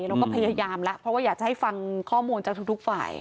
เราก็พยายามแล้วเพราะว่าอยากจะให้ฟังข้อมูลจากทุกฝ่าย